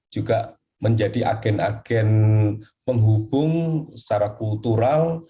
juga menjadi agen agen penghubung secara kultural